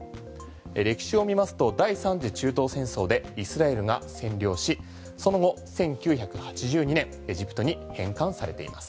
歴史を見ますと第３次中東戦争でイスラエルが占領し、その後１９８２年エジプトに返還されています。